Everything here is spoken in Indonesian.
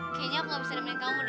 kayaknya aku gak bisa dengerin kamu deh